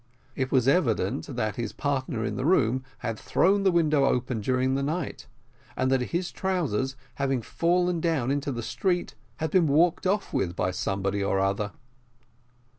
It was evident that his partner in the room had thrown the window open during the night, and that his trousers, having fallen down into the street, had been walked off with by somebody or another.